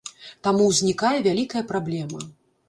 Таму ўзнікае вялікая праблема.